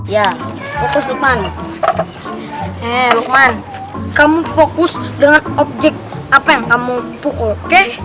ya putus lukman eh lukman kamu fokus dengan objek apa yang kamu pukul oke